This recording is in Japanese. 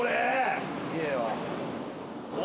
すげぇわ。